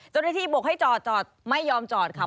จนที่ที่บอกให้จอดไม่ยอมจอดค่ะ